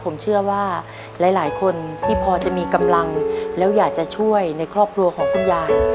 ผมเชื่อว่าหลายคนที่พอจะมีกำลังแล้วอยากจะช่วยในครอบครัวของคุณยาย